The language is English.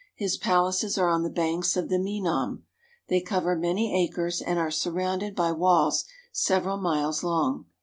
His palaces are on the banks of the Menam. They cover many acres and are surrounded by walls several miles long.